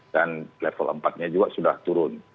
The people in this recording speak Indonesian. dan level empat nya juga sudah turun